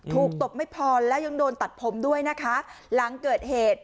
ตบไม่พอแล้วยังโดนตัดผมด้วยนะคะหลังเกิดเหตุ